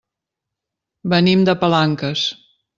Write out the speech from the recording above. Venim de Palanques.